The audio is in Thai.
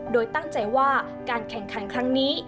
โดยตั้งใจว่าการแข่งขันครั้งนี้